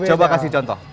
coba kasih contoh